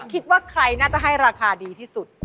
คิดว่าใครน่าจะให้ราคาดีที่สุด